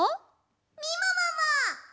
みももも。